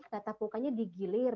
tetap mukanya digilir